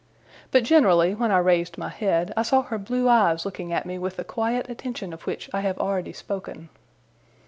But generally, when I raised my head, I saw her blue eyes looking at me with the quiet attention of which I have already spoken.